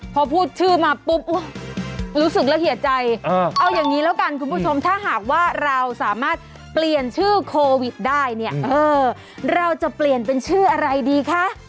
พอพูดชื่อมาปุ๊บรู้สึกละเอียดใจเอาอย่างนี้แล้วกันคุณผู้ชมถ้าหากว่าเราสามารถเปลี่ยนชื่อโควิดได้เนี่ยเออเราจะเปลี่ยนเป็นชื่ออะไรดีคะ